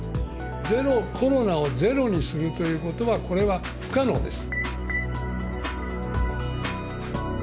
コロナをゼロにするということはこれは不可能です。